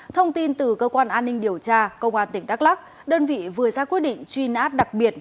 thông tin từ cơ quan an ninh điều tra công an tỉnh đắk lắc đơn vị vừa ra quyết định truy nã đặc biệt